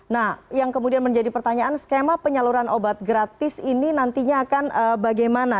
nah yang kemudian menjadi pertanyaan skema penyaluran obat gratis ini nantinya akan bagaimana